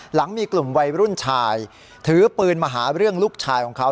หลังมีกลุ่มวัยรุ่นชายถือปืนมาหาเรื่องลูกชายของเขา